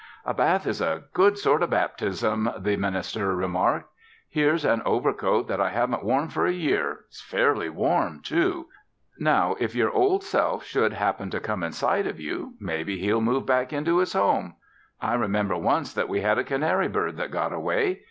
"A bath is a good sort of baptism," the minister remarked. "Here's an overcoat that I haven't worn for a year. It's fairly warm, too. Now if your Old Self should happen to come in sight of you, maybe he'd move back into his home. I remember once that we had a canary bird that got away.